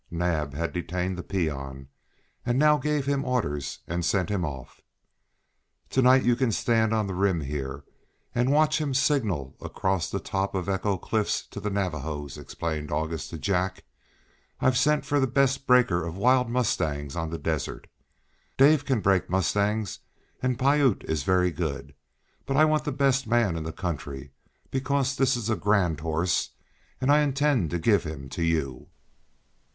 Naab had detained the peon, and now gave him orders and sent him off. "To night you can stand on the rim here, and watch him signal across to the top of Echo Cliffs to the Navajos," explained August to Jack. "I've sent for the best breaker of wild mustangs on the desert. Dave can break mustangs, and Piute is very good; but I want the best man in the country, because this is a grand horse, and I intend to give him to you."